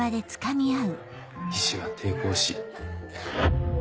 医師は抵抗し。